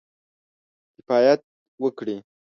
کفایت وکړي.